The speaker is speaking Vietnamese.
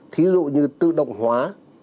thí dụ như tự động hóa